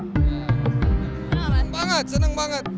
banget senang banget